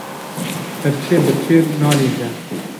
Hirçê birçî nalîze.